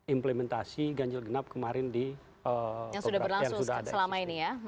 implementasi ganjil genap kemarin yang sudah berlangsung selama ini ya